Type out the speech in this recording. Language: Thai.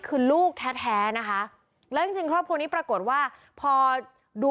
คือลูกแท้แท้นะคะแล้วจริงจริงครอบครัวนี้ปรากฏว่าพอดู